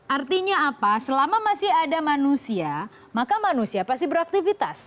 artinya apa selama masih ada manusia maka manusia pasti beraktivitas